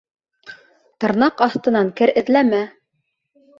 Тырнаҡ аҫтынан кер эҙләмә.